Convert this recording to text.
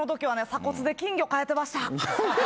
鎖骨で金魚飼えてました。